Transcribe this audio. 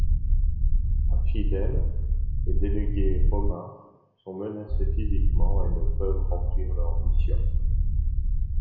À Fidènes, les délégués romains sont menacés physiquement et ne peuvent remplir leur mission.